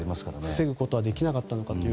防ぐことはできなかったのかと。